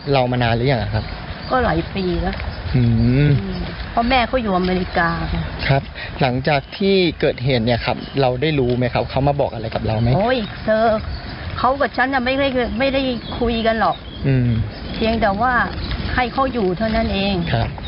ไม่มีกันหรอกเพียงแต่ว่าให้เขาอยู่เท่านั้นเอง